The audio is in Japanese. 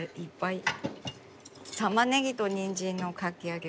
たまねぎとにんじんのかき揚げ。